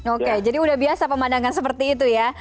oke jadi udah biasa pemandangan seperti itu ya